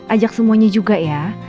ajak semuanya juga ya